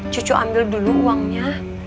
cucu ambil dulu uangnya